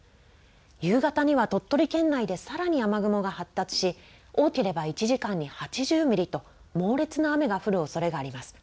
夕方には鳥取県内でさらに雨雲が発達し、多ければ１時間に８０ミリと、猛烈な雨が降るおそれがあります。